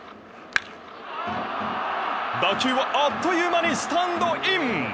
あっという間にスタンドイン。